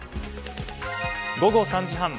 午後３時半。